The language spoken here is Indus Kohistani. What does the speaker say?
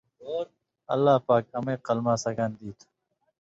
اللہ پاک امَیں قلماں سگان دی تُھو۔